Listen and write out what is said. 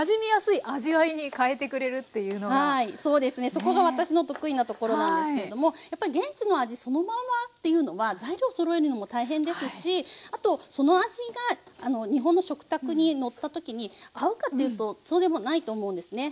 そこが私の得意なところなんですけれどもやっぱり現地の味そのままっていうのは材料そろえるのも大変ですしあとその味が日本の食卓にのった時に合うかっていうとそうでもないと思うんですね。